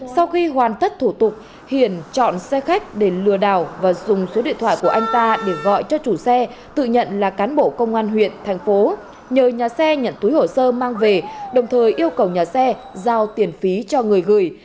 sau khi hoàn tất thủ tục hiển chọn xe khách để lừa đảo và dùng số điện thoại của anh ta để gọi cho chủ xe tự nhận là cán bộ công an huyện thành phố nhờ nhà xe nhận túi hổ sơ mang về đồng thời yêu cầu nhà xe giao tiền phí cho người gửi